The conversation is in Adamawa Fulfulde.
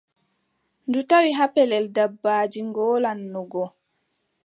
Ndu tawi haa pellel dabbaaji ngoolaano go,